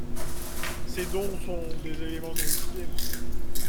Ces dons sont des éléments nourriciers.